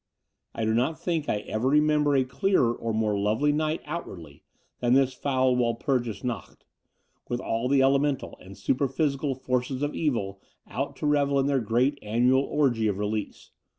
I do not think I ever remember a clearer or more lovely night outwardly, than this foul Wdlpurgis Nacht, with all the elemental and superphysical forces of evil out to revel in their great annual orgy of release.